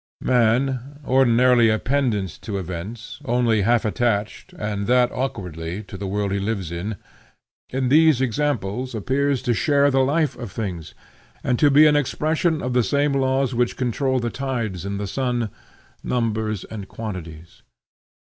Man, ordinarily a pendant to events, only half attached, and that awkwardly, to the world he lives in, in these examples appears to share the life of things, and to be an expression of the same laws which control the tides and the sun, numbers and quantities.